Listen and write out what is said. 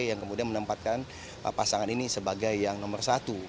yang kemudian menempatkan pasangan ini sebagai yang nomor satu